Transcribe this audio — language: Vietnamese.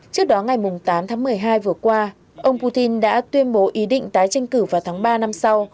trước đó ngày tám tháng một mươi hai vừa qua ông putin đã tuyên bố ý định tái tranh cử vào tháng ba năm sau